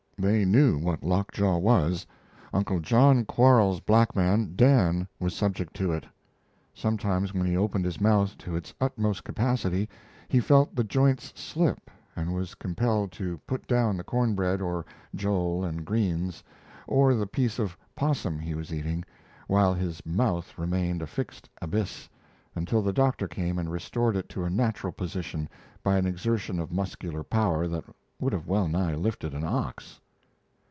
They knew what lockjaw was Uncle John Quarles's black man, Dan, was subject to it. Sometimes when he opened his mouth to its utmost capacity he felt the joints slip and was compelled to put down the cornbread, or jole and greens, or the piece of 'possum he was eating, while his mouth remained a fixed abyss until the doctor came and restored it to a natural position by an exertion of muscular power that would have well nigh lifted an ox.